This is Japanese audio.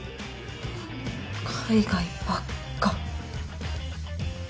海外ばっか。